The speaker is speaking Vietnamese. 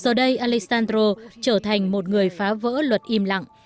giờ đây alexandro trở thành một người phá vỡ luật im lặng